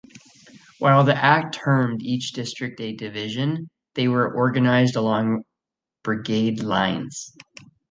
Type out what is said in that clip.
While the act termed each district a "division", they were organized along brigade lines.